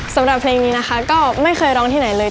สำหรับเพลงนี้นะคะก็ไม่เคยร้องที่ไหนเลย